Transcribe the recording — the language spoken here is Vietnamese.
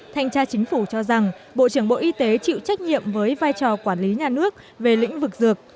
thanh tra chính phủ cho rằng bộ trưởng bộ y tế chịu trách nhiệm với vai trò quản lý nhà nước về lĩnh vực dược